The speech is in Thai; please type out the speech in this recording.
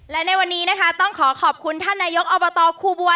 และในวันนี้นะคะต้องขอขอบคุณท่านนายกอบตครูบัว